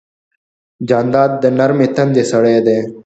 جانداد د نرمې تندې سړی دی.